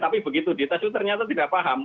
tapi begitu di tisu ternyata tidak paham